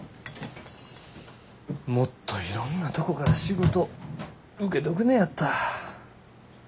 もっといろんなとこから仕事受けとくねやった。